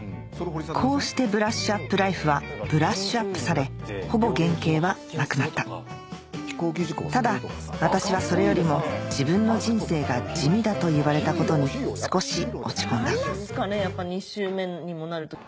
こうして『ブラッシュアップライフ』はブラッシュアップされほぼ原形はなくなったただ私はそれよりも自分の人生が地味だと言われたことに少し落ち込んだやっぱ２周目にもなると。